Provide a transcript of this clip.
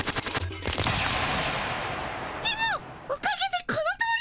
でもおかげでこのとおりだっピ。